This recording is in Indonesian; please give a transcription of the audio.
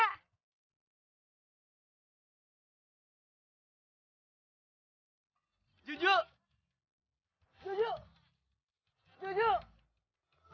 jujur jujur jujur jujur